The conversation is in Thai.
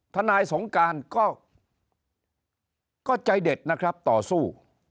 ทนายสงการก็ใจเด็ดนะครับต่อสู้